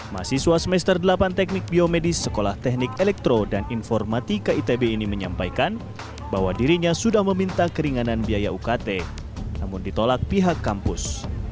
mahasiswa semester delapan teknik biomedis sekolah teknik elektro dan informatika itb ini menyampaikan bahwa dirinya sudah meminta keringanan biaya ukt namun ditolak pihak kampus